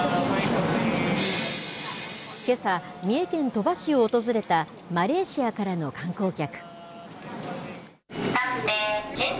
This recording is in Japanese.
けさ、三重県鳥羽市を訪れたマレーシアからの観光客。